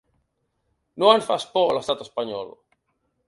No ens fas por, l’estat espanyol.